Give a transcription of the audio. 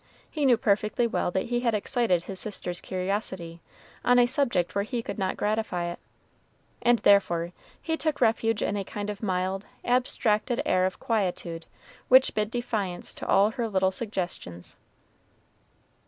He knew perfectly well that he had excited his sister's curiosity on a subject where he could not gratify it, and therefore he took refuge in a kind of mild, abstracted air of quietude which bid defiance to all her little suggestions.